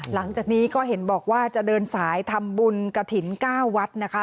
หลังจากนี้ก็เห็นบอกว่าจะเดินสายทำบุญกระถิ่น๙วัดนะคะ